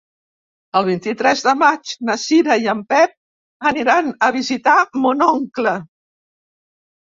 El vint-i-tres de maig na Cira i en Pep aniran a visitar mon oncle.